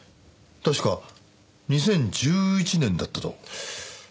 確か２０１１年だったと。